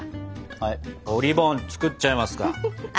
はいおりぼん作っちゃいますか。